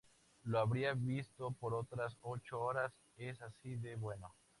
Lo habría visto por otras ocho horas, es así de bueno".